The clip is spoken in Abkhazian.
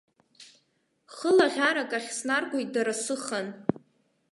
Хылаӷьарак ахь снаргоит дара сыхан.